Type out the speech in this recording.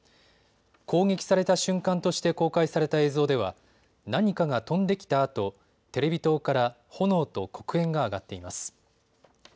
攻撃された瞬間として公開された映像では何かが飛んできたあとテレビ塔から炎と黒煙が上がっています。